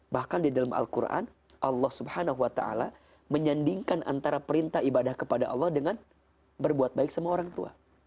bahkan di dalam al quran allah swt menyandingkan antara perintah ibadah kepada allah dengan berbuat baik sama orang tua